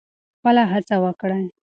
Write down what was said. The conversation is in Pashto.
خپله هڅه وکړئ.